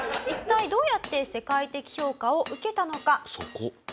「一体どうやって世界的評価を受けたのか？」